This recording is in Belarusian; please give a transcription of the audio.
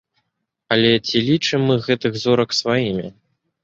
Але ці лічым мы гэтых зорак сваімі?